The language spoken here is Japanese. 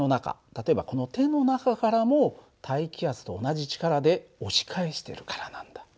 例えばこの手の中からも大気圧と同じ力で押し返してるからなんだ。